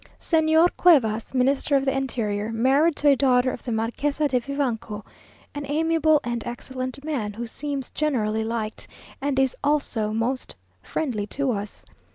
Señor Cuevas, Minister of the Interior, married to a daughter of the Marquesa de Vivanco, an amiable and excellent man, who seems generally liked, and is also most friendly to us.